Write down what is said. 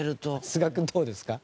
須賀君どうですか？